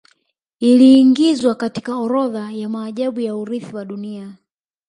Iliiingizwa katika orodha ya maajabu ya Urithi wa Dunia